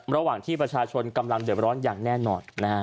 ระหว่างที่ประชาชนกำลังเดือดร้อนอย่างแน่นอน